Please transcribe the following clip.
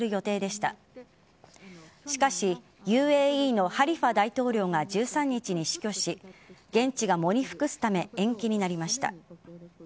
しかしＵＡＥのハリファ大統領が１３日に死去し現地が喪に服すため延期になりました。